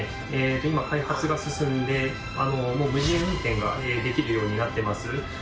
今開発が進んでもう無人運転ができるようになってます。